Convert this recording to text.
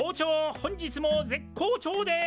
本日も絶好調です！